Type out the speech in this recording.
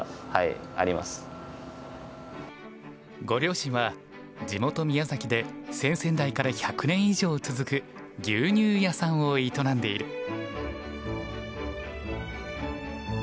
ご両親は地元宮崎で先々代から１００年以上続く牛乳屋さんを営んでいる。